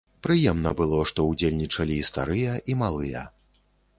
Прыемна было, што ўдзельнічалі і старыя, і малыя.